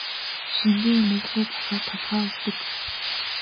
Шингэн юм уухгүй болохоор толгой өвдөг.